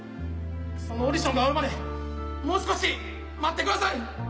そのオーディションが終わるまでもう少し待ってください！